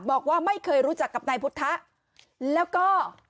บอกว่าไม่เคยรู้จักกับนายพุทธะแล้วก็